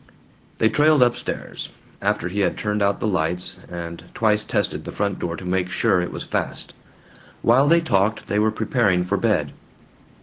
They trailed up stairs, after he had turned out the lights and twice tested the front door to make sure it was fast. While they talked they were preparing for bed.